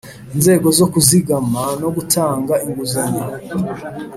inzego zo kuzigama no gutanga inguzanyo.